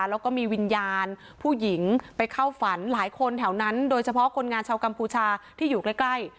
แล้วก็มีวิญญาณผู้หญิงไปเข้าฝันหลายคนแถวนั้นโดยเฉพาะคนงานชาวกัมพูชาที่อยู่ใกล้